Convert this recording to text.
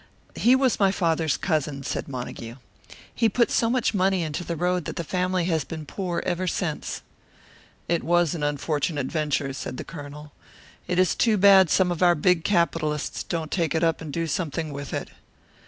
"He was my father's cousin," said Montague. "He put so much money into the road that the family has been poor ever since." "It was an unfortunate venture," said the Colonel. "It is too bad some of our big capitalists don't take it up and do something with it."